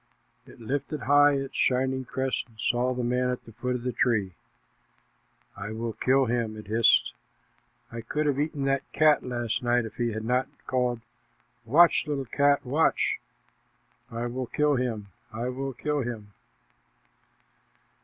It lifted high its shining crest and saw the man at the foot of the tree. "I will kill him!" it hissed. "I could have eaten that cat last night if he had not called, 'Watch, little cat, watch!' I will kill him, I will kill him!"